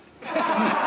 「ハハハハ！」